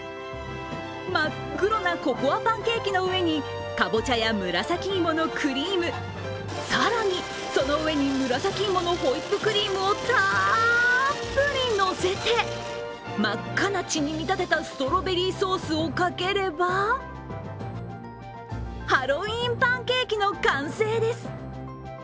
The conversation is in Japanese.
真っ黒なココアパンケーキの上にかぼちゃや紫芋のクリーム、更に、その上に紫芋のホイップクリームをたーっぷりのせて、真っ赤な血に見立てたストロベリーソースをかければハロウィーンパンケーキの完成です。